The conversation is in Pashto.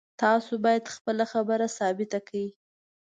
تاسو باید خپله خبره ثابته کړئ